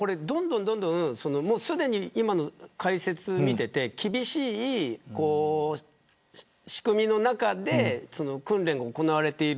すでに今の解説を見てて厳しい仕組みの中で訓練が行われている。